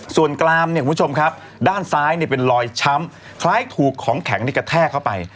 ส่วนกรามเนี่ยคุณผู้ชมครับด้านซ้ายเนี่ยเป็นรอยช้ำคล้ายถูกของแข็งที่กระแทกเข้าไป